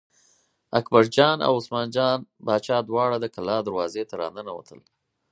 اکبرجان او عثمان جان باچا دواړه د کلا دروازې ته را ننوتل.